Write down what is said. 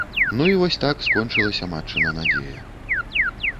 Ну і вось так скончылася матчына надзея.